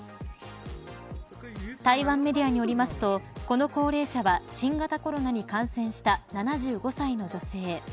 台湾メディアによりますとこの高齢者は新型コロナに感染した７５歳の女性。